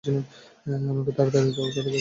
আমাকে তারাতারি দাও তারাতারি - এখানে, বাবা!